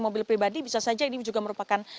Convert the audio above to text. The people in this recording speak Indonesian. mobil pribadi bisa saja ini juga merupakan